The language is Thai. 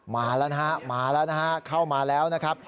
มาแล้วนะครับเข้ามาแล้วนะครับ